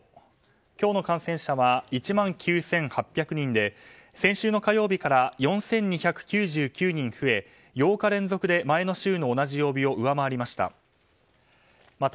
今日の感染者は１万９８００人で先週の火曜日から４２９９人増え８日連続で前の週の同じ曜日を上回りました。